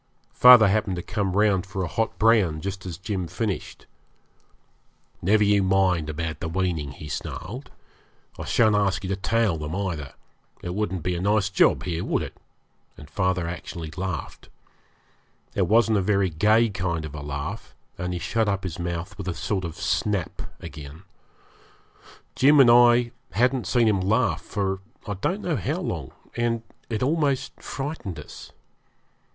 Father happened to come round for a hot brand just as Jim finished. 'Never you mind about the weaning,' he snarled. 'I shan't ask you to tail them either. It wouldn't be a nice job here, would it?' and father actually laughed. It wasn't a very gay kind of a laugh, and he shut up his mouth with a sort of snap again. Jim and I hadn't seen him laugh for I don't know how long, and it almost frightened us.